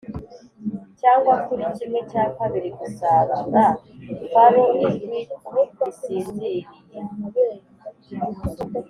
cyangwa kuri kimwe cya kabiri-gusarura furrow ijwi risinziriye,